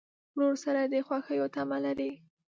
ورور سره د خوښیو تمه لرې.